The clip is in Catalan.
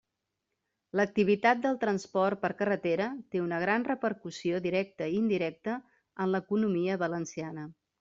L'activitat del transport per carretera té una gran repercussió directa i indirecta en l'economia valenciana.